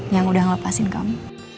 yang udah ngelepasin kamu